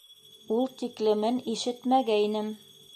Ул тиклемен ишетмәгәйнем.